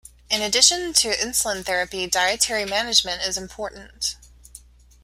In addition to insulin therapy dietary management is important.